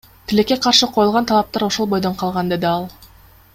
Тилекке каршы, коюлган талаптар ошол бойдон калган, — деди ал.